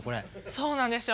そうなんですよ。